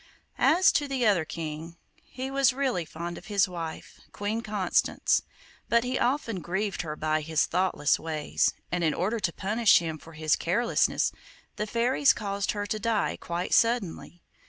As to the other King, he was really fond of his wife, Queen Constance, but he often grieved her by his thoughtless ways, and in order to punish him for his carelessness, the fairies caused her to die quite suddenly.